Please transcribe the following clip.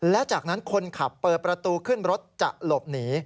และจากนั้นคนขับเปิดประตูขึ้นรถจะหลบหนี